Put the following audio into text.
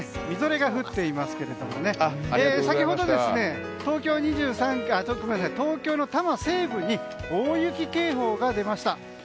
みぞれが降っていますけれども先ほど、東京の多摩西部に大雪警報が出ました。